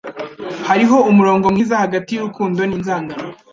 Hariho umurongo mwiza hagati y'urukundo n'inzangano.